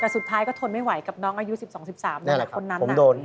แต่สุดท้ายก็ทนไม่ไหวกับน้องอายุ๑๒๑๓คนนั้น